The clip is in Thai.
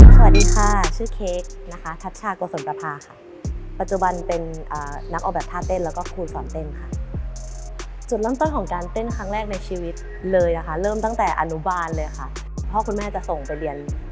สวัสดีค่ะชื่อเค้กนะคะชัชชาโกศลประพาค่ะปัจจุบันเป็นนักออกแบบท่าเต้นแล้วก็ครูสอนเต้นค่ะจุดเริ่มต้นของการเต้นครั้งแรกในชีวิตเลยนะคะเริ่มตั้งแต่อนุบาลเลยค่ะพ่อคุณแม่จะส่งไปเรียน